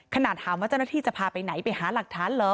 ขนาดถามว่าเจ้าหน้าที่จะพาไปไหนไปหาหลักฐานเหรอ